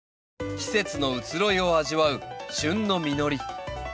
季節の移ろいを味わう旬の実り。